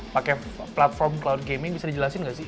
pakai platform cloud gaming bisa dijelasin nggak sih